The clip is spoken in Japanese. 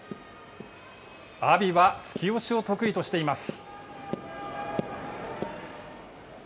阿炎は突き押しを得意としています。